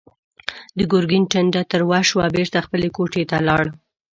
د ګرګين ټنډه تروه شوه، بېرته خپلې کوټې ته لاړ.